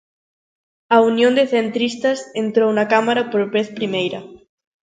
A Unión de Centristas entrou na cámara por vez primeira.